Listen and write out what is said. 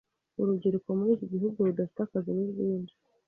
urubyiruko muri iki gihugu rudafite akazi ni rwinshi